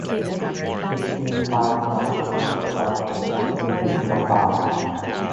Fifteen fire trucks were dispatched to extinguish the fire.